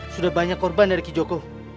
sudah banyak korban dari kijoko